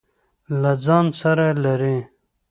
له ځان سره لري.